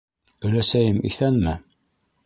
Өләсәйем иҫәнме?